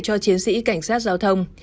cho chiến sĩ cảnh sát giao thông